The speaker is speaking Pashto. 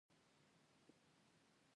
هر ډول طبیعت هلته شته.